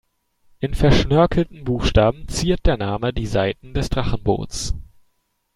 In verschnörkelten Buchstaben ziert der Name die Seiten des Drachenboots.